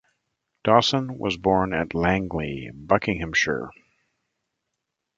Dawson was born at Langley, Buckinghamshire.